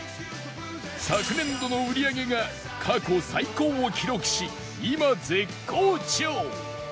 昨年度の売り上げが過去最高を記録し今絶好調